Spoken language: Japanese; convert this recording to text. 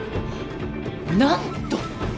何と！